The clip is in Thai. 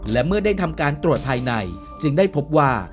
และเมื่อได้ทำการตรวจภายในจึงได้พบว่า